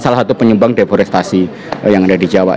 salah satu penyumbang deforestasi yang ada di jawa